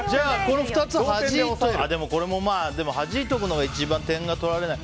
これもまあ、はじいておくのが一番点が取られない。